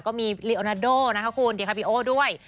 ก็มีเรียนาโดนะครับคุณดีคาร์ปิโอด้วย